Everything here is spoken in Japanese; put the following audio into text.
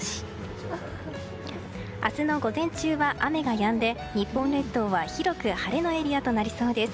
明日の午前中は雨がやんで日本列島は広く晴れのエリアとなりそうです。